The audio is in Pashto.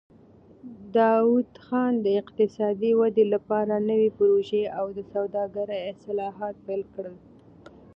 داوود خان د اقتصادي ودې لپاره نوې پروژې او د سوداګرۍ اصلاحات پیل کړل.